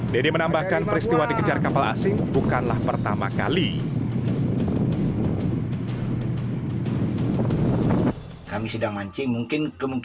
deddy menambahkan peristiwa dikejar kapal asing bukanlah pertama kali